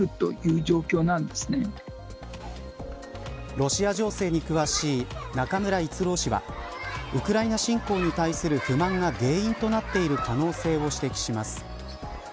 ロシア情勢に詳しい中村逸郎氏はウクライナ侵攻に対する不満が原因となっている可能性を指摘します。